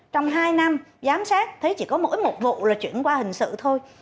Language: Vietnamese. trong hai năm giám sát thấy chỉ có mỗi một vụ là chuyển qua hình sự thôi